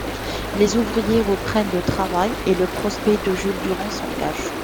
Les ouvriers reprennent le travail et le procès de Jules Durand s'engage.